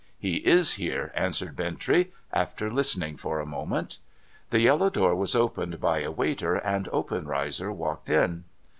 ' He is here,' answered Bintrey, after listening for a moment. l"he yellow door was oi)ened by a waiter, and Obcnreizer walked in.